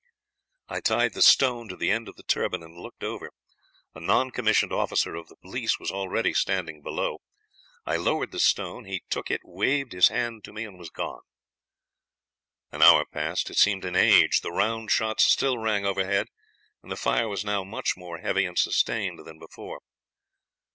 "I tied the stone to the end of the turban, and looked over. A noncommissioned officer of the police was already standing below. I lowered the stone; he took it, waved his hand to me, and was gone. "An hour passed: it seemed an age. The round shots still rang overhead, and the fire was now much more heavy and sustained than before.